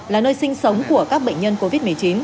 là nơi sinh sống của các bệnh nhân covid một mươi chín